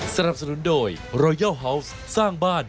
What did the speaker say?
สวัสดีครับ